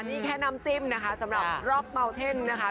นี่แค่น้ำจิ้มนะคะสำหรับรอบเมาเท่นนะคะ